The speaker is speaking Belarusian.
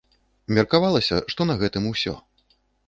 Меркавалася, што на гэтым усё.